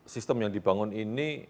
sistem yang dibangun ini